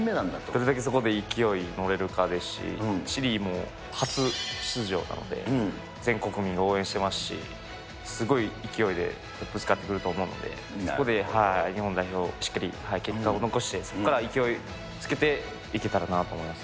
どれだけそこで勢いに乗れるかですし、チリも初出場なので、全国民が応援してますし、すごい勢いでぶつかってくると思うので、そこで日本代表、しっかり結果を残して、そこから勢いつけていけたらなと思います。